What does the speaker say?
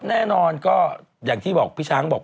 แน่นอนก็อย่างที่บอกพี่ช้างบอก